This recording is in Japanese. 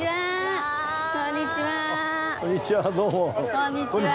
こんにちは。